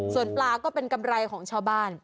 ส่วนปลาก็เป็นกำไรของชาวบ้าน